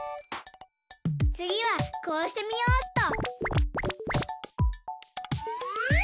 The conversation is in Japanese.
つぎはこうしてみようっと。